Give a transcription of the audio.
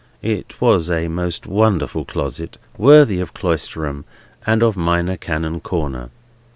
It was a most wonderful closet, worthy of Cloisterham and of Minor Canon Corner.